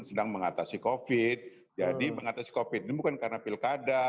sedang mengatasi covid jadi mengatasi covid ini bukan karena pilkada